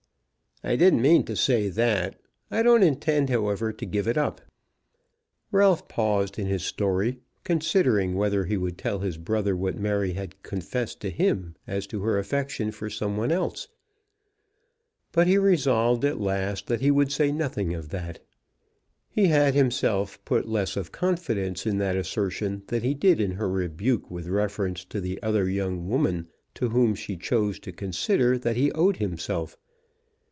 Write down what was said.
"I didn't mean to say that. I don't intend, however, to give it up." Ralph paused in his story, considering whether he would tell his brother what Mary had confessed to him as to her affection for some one else, but he resolved, at last, that he would say nothing of that. He had himself put less of confidence in that assertion than he did in her rebuke with reference to the other young woman to whom she chose to consider that he owed himself.